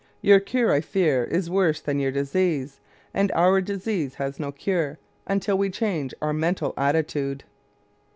Your cure, I fear, is worse than your disease; and our disease has no cure until we change our mental attitude."